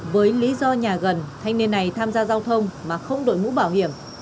với lý do nhà gần thanh niên này tham gia giao thông mà không đội mũ bảo hiểm